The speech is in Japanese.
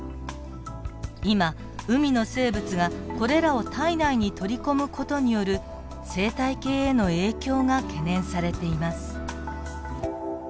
今海の生物がこれらを体内に取り込む事による生態系への影響が懸念されています。